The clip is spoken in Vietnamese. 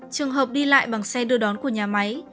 trường hợp đi lại bằng xe đưa đón của nhà máy